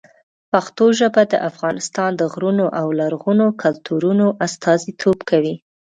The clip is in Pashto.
پښتو ژبه د افغانستان د غرونو او لرغونو کلتورونو استازیتوب کوي.